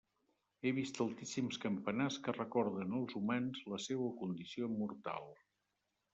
He vist altíssims campanars que recorden als humans la seua condició mortal.